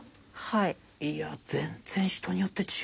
いや全然人によって違うんだ。